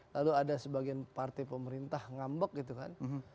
lalu ada sebagian partai pemerintah ngambek gitu kan